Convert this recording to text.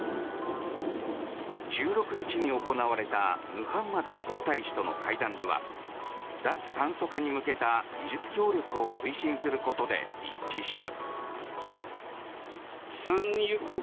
１６日に行われたムハンマド皇太子との会談では脱炭素化に向けた技術協力を推進することで一致した。